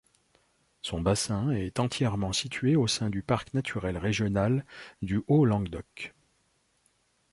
Son bassin est entièrement situé au sein du parc naturel régional du Haut-Languedoc.